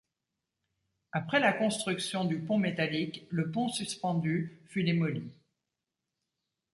Après la construction du pont métallique le pont suspendu fut démoli.